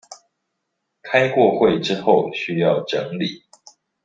開過會之後需要整理